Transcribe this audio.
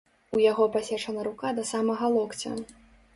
У яго пасечана рука да самага локця.